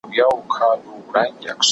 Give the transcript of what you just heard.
اوس له ګوتو د مطرب ويني را اوري